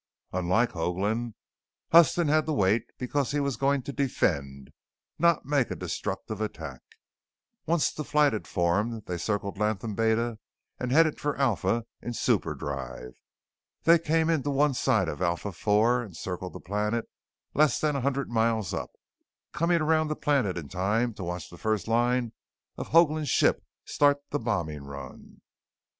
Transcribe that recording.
Unlike Hoagland, Huston had to wait because he was going to defend, not make a destructive attack. Once the flight had formed, they circled Latham Beta and headed for Alpha in superdrive. They came in to one side of Alpha IV, and circled the planet less than a hundred miles up, coming around the planet in time to watch the first line of Hoagland's ship start the bombing run.